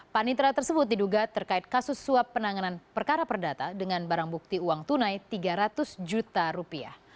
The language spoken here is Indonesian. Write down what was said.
panitra tersebut diduga terkait kasus suap penanganan perkara perdata dengan barang bukti uang tunai tiga ratus juta rupiah